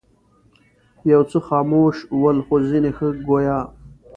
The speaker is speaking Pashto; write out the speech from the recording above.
یو څه خموش ول خو ځینې ښه ګویا.